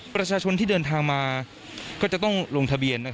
ประชาชนที่เดินทางมาก็จะต้องลงทะเบียน